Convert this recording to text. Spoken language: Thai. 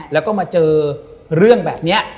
แล้วก็มาเจอเรื่องแบบนี้